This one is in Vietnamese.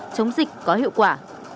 chống dịch có hiệu quả